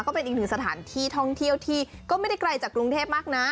ก็เป็นอีกหนึ่งสถานที่ท่องเที่ยวที่ก็ไม่ได้ไกลจากกรุงเทพมากนะ